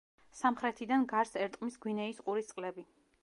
სამხრეთიდან გარს ერტყმის გვინეის ყურის წყლები.